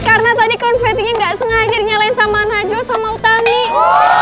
karena tadi konfetinya nggak sengaja dinyalain sama najwa sama ustazah